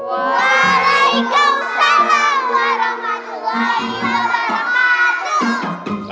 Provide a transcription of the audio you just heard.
waalaikumsalam warahmatullahi wabarakatuh